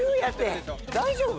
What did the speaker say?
大丈夫？